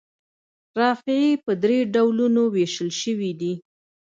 رافعې په درې ډولونو ویشل شوي دي.